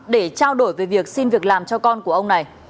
để trao đổi về việc xin việc làm cho con của ông này